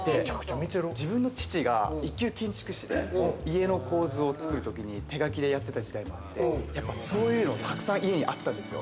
自分の父が一級建築士で家の構図を作るときに手描きでやってた時代もあって、そういうのをたくさん家にあったんですよ。